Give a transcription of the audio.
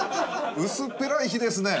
薄っぺらい日ですね。